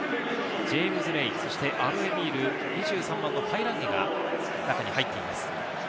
ジェームズ・レイ、アロエミール、２３番のファイランギが中に入っています。